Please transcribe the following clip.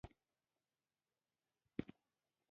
سړی د مسلسل کیفیت په حصار کې ساتي.